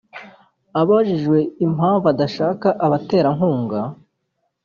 Abajijwe impamvu adashaka abaterankunga